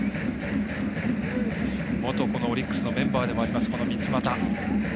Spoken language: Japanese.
元オリックスのメンバーでもあります、三ツ俣。